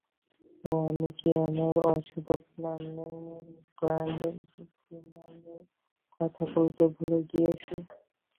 ওহ, আমি কি আমার অশুভ প্ল্যানের গ্র্যান্ড ফিনালের কথা বলতে ভুলে গিয়েছি?